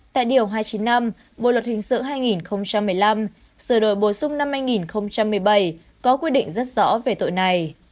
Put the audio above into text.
tại điều hai trăm chín mươi năm bộ luật hình sự hai nghìn một mươi năm sửa đổi bổ sung năm hai nghìn một mươi bảy có quy định rất rõ về tội này